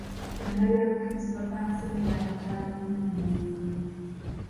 Bannabyabufuzi bapangisa nnyo bannakyalo okunoonya obululu.